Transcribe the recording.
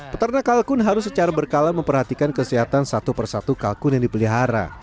peternak kalkun harus secara berkala memperhatikan kesehatan satu persatu kalkun yang dipelihara